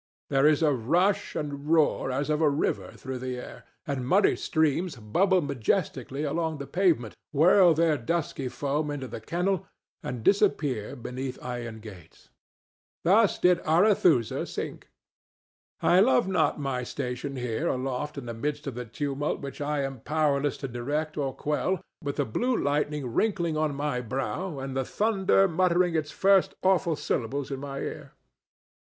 There is a rush and roar as of a river through the air, and muddy streams bubble majestically along the pavement, whirl their dusky foam into the kennel, and disappear beneath iron grates. Thus did Arethusa sink. I love not my station here aloft in the midst of the tumult which I am powerless to direct or quell, with the blue lightning wrinkling on my brow and the thunder muttering its first awful syllables in my ear.